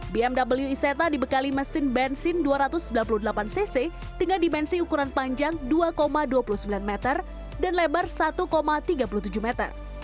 bmw iseta dibekali mesin bensin dua ratus sembilan puluh delapan cc dengan dimensi ukuran panjang dua dua puluh sembilan meter dan lebar satu tiga puluh tujuh meter